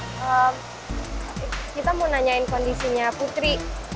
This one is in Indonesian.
kita mau nanyain kondisinya putri